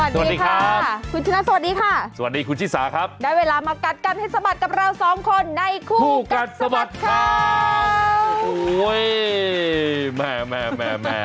สวัสดีค่ะคุณชนะสวัสดีค่ะสวัสดีคุณชิสาครับได้เวลามากัดกันให้สะบัดกับเราสองคนในคู่กัดสะบัดข่าว